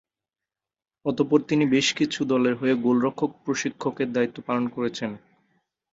অতঃপর তিনি বেশ কিছু দলের হয়ে গোলরক্ষক প্রশিক্ষকের দায়িত্ব পালন করেছেন।